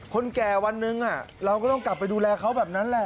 คนแก่วันหนึ่งเราก็ต้องกลับไปดูแลเขาแบบนั้นแหละ